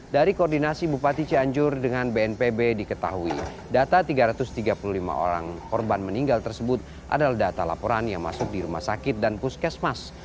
dari koordinasi bupati cianjur dengan bnpb diketahui data tiga ratus tiga puluh lima orang korban meninggal tersebut adalah data laporan yang masuk di rumah sakit dan puskesmas